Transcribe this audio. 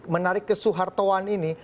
menarik ke soehartoan ini